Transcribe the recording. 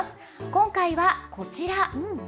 今回はこちら。